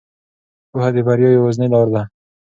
پوهه د بریا یوازینۍ لار ده.